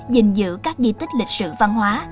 dình dự các di tích lịch sử văn hóa